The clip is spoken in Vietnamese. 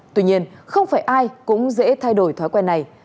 tuy nhiên không phải ai cũng dễ thay đổi thói quen này